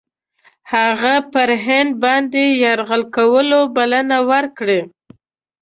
هغه پر هند باندي یرغل کولو بلنه ورکړې.